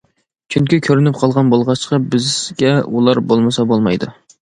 چۈنكى كۆنۈپ قالغان بولغاچقا، بىزگە ئۇلار بولمىسا بولمايدۇ.